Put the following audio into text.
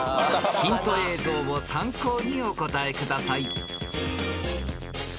［ヒント映像を参考にお答えください］